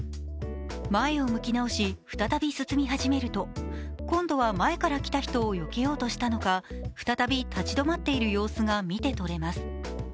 前を向き直し、再び進み始めると今度は前から来た人をよけようとしたのか、再び立ち止まっている様子が見てとれます。